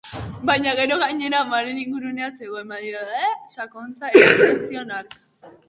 Baina gero gainera amaren ingurunea zegoen, mesfidantza sakonena eragiten zidan hark.